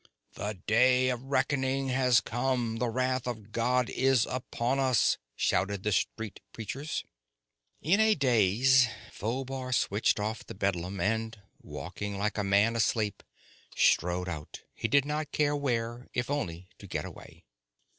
"The day of reckoning has come! The wrath of God is upon us!" shouted the street preachers. In a daze, Phobar switched off the bedlam and, walking like a man asleep, strode out, he did not care where, if only to get away.